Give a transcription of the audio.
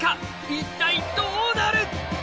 一体どうなる⁉